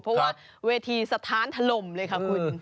เพราะว่าเวทีสะท้านถล่มเลยค่ะคุณ